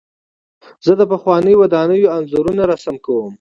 زه د پخوانیو ودانیو انځورونه رسم کوم.